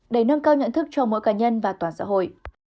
để nâng cao nhận thức cho mỗi cá nhân và toàn xã hội